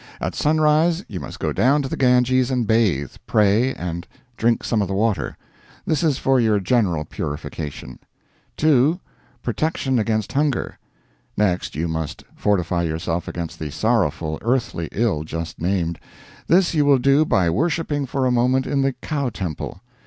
At sunrise you must go down to the Ganges and bathe, pray, and drink some of the water. This is for your general purification. 2. Protection against Hunger. Next, you must fortify yourself against the sorrowful earthly ill just named. This you will do by worshiping for a moment in the Cow Temple.